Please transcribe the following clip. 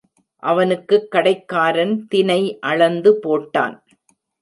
அவனுக்குக் கடைக்காரன் தினை அளந்து போட்டான்.